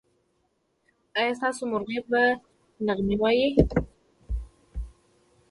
ایا ستاسو مرغۍ به نغمې وايي؟